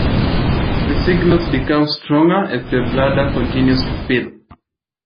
The signals become stronger as the bladder continues to fill.